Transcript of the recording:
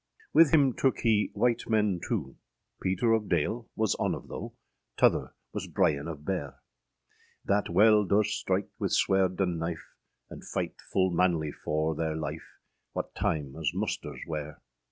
Wyth hym tooke hee wyght men two, Peter of Dale was on of tho, Tother was Bryan of Beare; {130d} Thatte wele durst strike wyth swerde and knife, And fyght full manlie for theyr lyfe, What tyme as musters were.